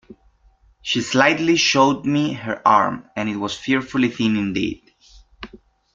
She slightly showed me her arm, and it was fearfully thin indeed.